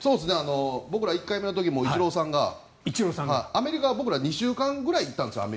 僕ら、１回目の時もイチローさんがアメリカには僕らは２週間ぐらい行ったんです。